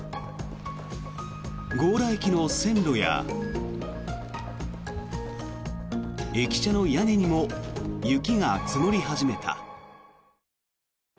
強羅駅の線路や駅舎の屋根にも雪が積もり始めた。